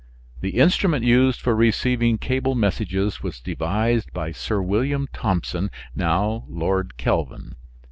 The instrument used for receiving cable messages was devised by Sir William Thompson, now Lord Kelvin.